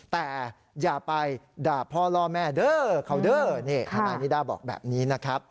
แต่อย่าไปด่าพ่อล่อแม่เด้อเขาเด้อนี่ทนายนิด้าบอกแบบนี้นะครับ